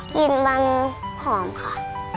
กินมันหอมค่ะ